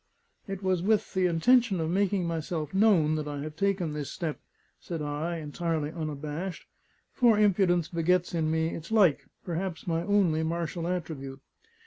"It was with the intention of making myself known, that I have taken this step," said I, entirely unabashed (for impudence begets in me its like perhaps my only martial attribute).